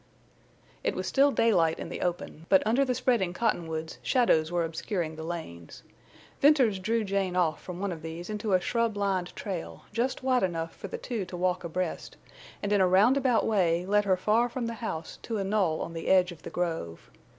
It was still daylight in the open, but under the spreading cottonwoods shadows were obscuring the lanes. Venters drew Jane off from one of these into a shrub lined trail, just wide enough for the two to walk abreast, and in a roundabout way led her far from the house to a knoll on the edge of the grove.